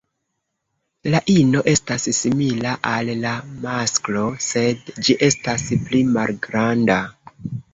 La ino estas simila al la masklo, sed ĝi estas pli malgranda.